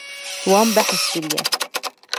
Wan behs kiriye.